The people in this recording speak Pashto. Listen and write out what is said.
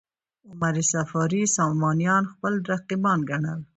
عمر صفاري سامانیان خپل رقیبان ګڼل.